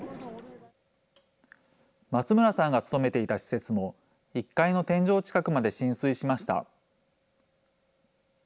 松村さんが勤めていた施設も１階の天井近くまで浸水しました。